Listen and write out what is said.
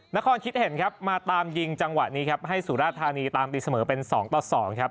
นครคิดเห็นครับมาตามยิงจังหวะนี้ครับให้สุราธานีตามตีเสมอเป็น๒ต่อ๒ครับ